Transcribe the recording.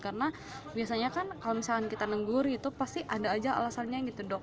karena biasanya kan kalau misalnya kita nenggur itu pasti ada aja alasannya gitu dok